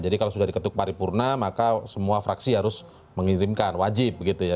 jadi kalau sudah diketuk paripurna maka semua fraksi harus mengirimkan wajib gitu ya